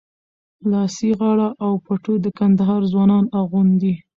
لاسي غاړه او پټو د کندهار ځوانان اغوندي.